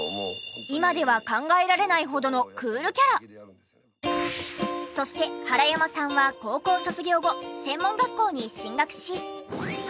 今では考えられないほどのそして原山さんは高校卒業後専門学校に進学し。